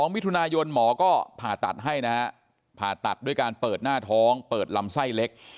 มิถุนายนหมอก็ผ่าตัดให้นะฮะผ่าตัดด้วยการเปิดหน้าท้องเปิดลำไส้เล็ก